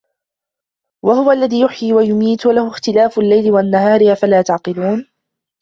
وهو الذي يحيي ويميت وله اختلاف الليل والنهار أفلا تعقلون